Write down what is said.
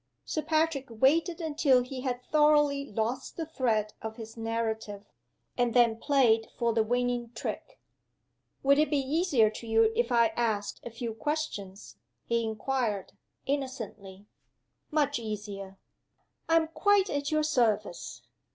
Sir Patrick waited until he had thoroughly lost the thread of his narrative and then played for the winning trick. "Would it be easier to you if I asked a few questions?" he inquired, innocently. "Much easier." "I am quite at your service.